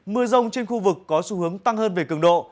mưa rông trên khu vực có xu hướng tăng hơn về cường độ